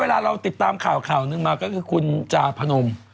เวลาเราติดตามข่าวข่าวหนึ่งมาก็คือคุณจาพนม